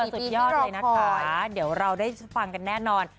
สุดยอดเลยนะคะเดี๋ยวเราได้ฟังกันแน่นอน